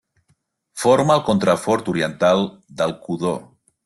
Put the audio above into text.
Forma el contrafort oriental del Codó.